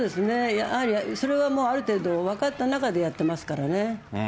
やはりそれはある程度、分かった中でやってますからね。